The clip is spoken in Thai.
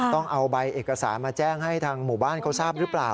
ต้องเอาใบเอกสารมาแจ้งให้ทางหมู่บ้านเขาทราบหรือเปล่า